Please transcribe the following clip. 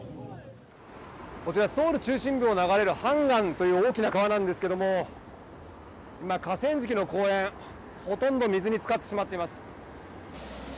こちらソウル中心部を流れるハンガンという大きな川なんですけれども、今、河川敷の公園、ほとんど水に浸かってしまっています。